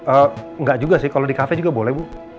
ehm enggak juga sih kalo di cafe juga boleh bu